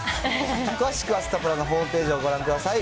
詳しくはサタプラのホームページをご覧ください。